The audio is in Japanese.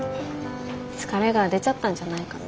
疲れが出ちゃったんじゃないかな。